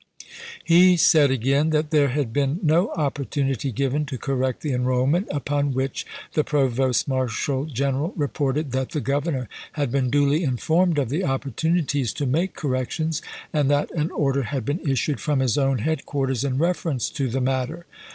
He said again that there had been 1864. no opportunity given to correct the enrollment, upon which the Provost Marshal General reported that the Governor had been duly informed of the opportunities to make corrections, and that an order had been issued from his own headquarters in reference to the matter.